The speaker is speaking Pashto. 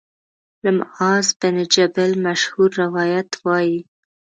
له معاذ بن جبل مشهور روایت وايي